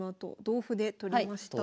同歩で取りました。